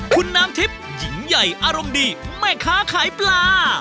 คุณน้ำทิพย์หญิงใหญ่อารมณ์ดีแม่ค้าขายปลา